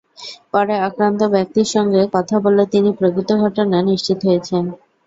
পরে আক্রান্ত ব্যক্তির সঙ্গে কথা বলে তিনি প্রকৃত ঘটনা নিশ্চিত হয়েছেন।